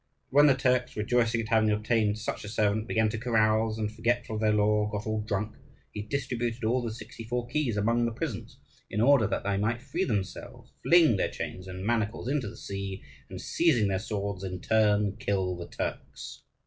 But when the Turks, rejoicing at having obtained such a servant, began to carouse, and, forgetful of their law, got all drunk, he distributed all the sixty four keys among the prisoners, in order that they might free themselves, fling their chains and manacles into the sea, and, seizing their swords, in turn kill the Turks.